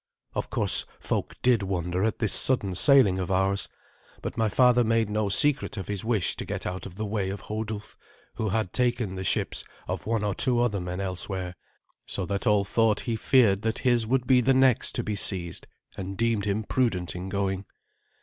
Of course folk did wonder at this sudden sailing of ours, but my father made no secret of his wish to get out of the way of Hodulf, who had taken the ships of one or two other men elsewhere, so that all thought he feared that his would be the next to be seized, and deemed him prudent in going.